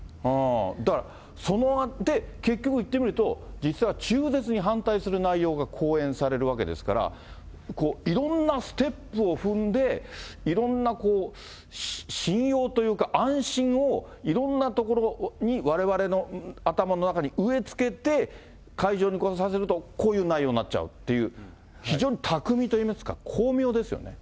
だから、結局行ってみると、実は中絶に反対する内容が講演されるわけですから、いろんなステップを踏んで、いろんな信用というか、安心を、いろんな所にわれわれの頭の中に植えつけて、会場に来させると、こういう内容になっちゃうっていう、非常に巧みといいますか、巧妙ですよね。